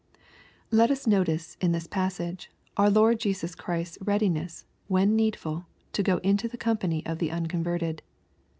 Let us notice in this passage, our Lord Jesus Christ's readiness, when needful, to go into the company of the unconverted.